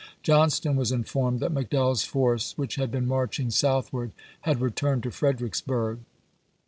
Johnston was informed that McDowell's force, which had been marching southward, had returned to Fredericksburg.